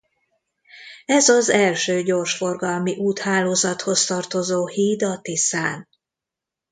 Ez az első gyorsforgalmi úthálózathoz tartozó híd a Tiszán.